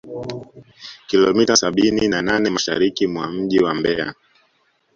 kilomita sabini na nane Mashariki mwa mji wa Mbeya